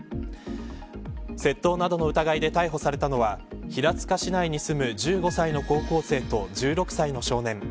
窃盗などの疑いで逮捕されたのは平塚市内に住む１５歳の高校生と１６歳の少年。